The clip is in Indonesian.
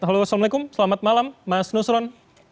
halo assalamualaikum selamat malam mas nusron